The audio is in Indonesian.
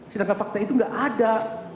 sedangkan fakta itu nggak ada